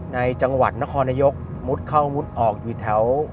ในจังหวัดนครนายกมุดเข้ามุดออกอยู่แถว